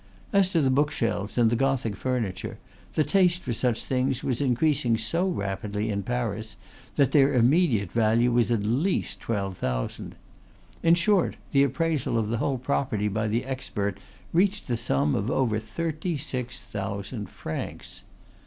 As to the bookshelves and the gothic furniture, the taste for such things was increasing so rapidly in Paris that their immediate value was at least twelve thousand. In short, the appraisal of the whole property by the expert reached the sum of over thirty six thousand francs.